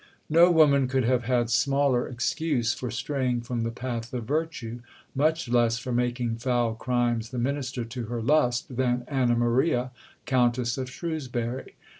No woman could have had smaller excuse for straying from the path of virtue, much less for making foul crimes the minister to her lust than Anna Maria, Countess of Shrewsbury.